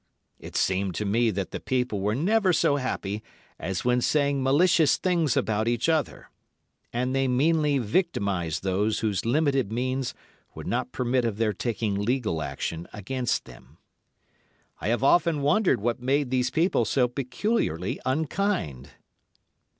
It seemed to me that the people were never so happy as when saying malicious things about each other, and they meanly victimised those whose limited means would not permit of their taking legal action against them. I have often wondered what made these people so peculiarly unkind.